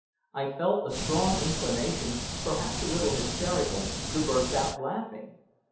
I felt a strong inclination perhaps a little hysterical to burst out laughing.